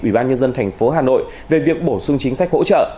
ủy ban nhân dân tp hà nội về việc bổ sung chính sách hỗ trợ